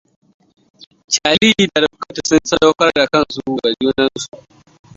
Cherlie da Rifkatu sun sadaukar da kansu ga junansu.